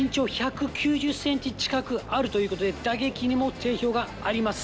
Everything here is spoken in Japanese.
なんとですね、身長１９０センチ近くあるということで、打撃にも定評があります。